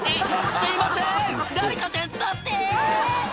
「すいません誰か手伝って！」